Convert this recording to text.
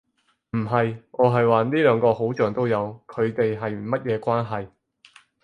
唔係。我係話呢兩個好像都有，佢地係乜嘢關係